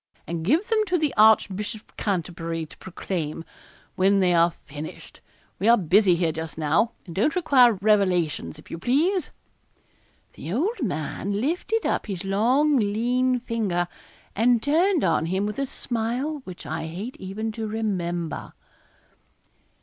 and give them to the Archbishop of Canterbury to proclaim, when they are finished; we are busy here just now, and don't require revelations, if you please.' The old man lifted up his long lean finger, and turned on him with a smile which I hate even to remember.